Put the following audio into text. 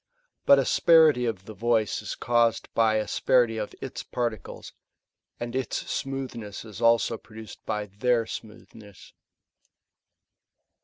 But asperity of the voice is caused by asperity of its particles, and its smoothness is also produced by their smoothness. B. IV. 655^583. LUCRETIUS.